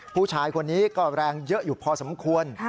ผู้ชายคนนี้ก็แรงเยอะอยู่พอสมควร